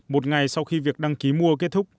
một ngày sau khi việc đăng ký mua kết thúc